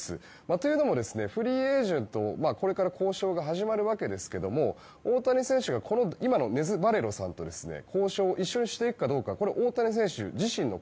というのも、フリーエージェントこれから交渉が始まりますが大谷選手がネズ・バレロ氏と交渉を一緒にしていくかは大谷選手自身の